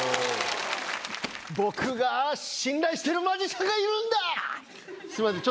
僕が信頼してるマジシャンがいるんだ！